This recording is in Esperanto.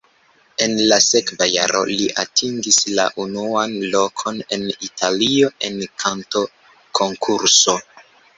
En la sekva jaro li atingis la unuan lokon en Italio en kantokonkurso.